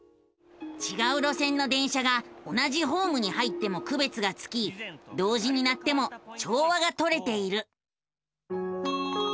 ちがう路線の電車が同じホームに入ってもくべつがつき同時に鳴っても調和がとれている。